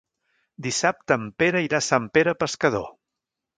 Dissabte en Pere irà a Sant Pere Pescador.